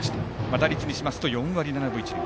打率にしますと４割７分１厘。